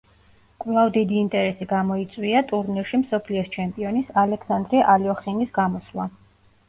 კვლავ დიდი ინტერესი გამოწვია ტურნირში მსოფლიოს ჩემპიონის ალექსანდრე ალიოხინის გამოსვლა.